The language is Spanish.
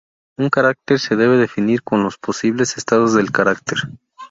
Un carácter se debe definir con los posibles estados del carácter.